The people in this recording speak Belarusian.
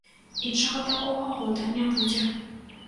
Іншага такога года не будзе.